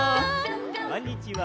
こんにちは。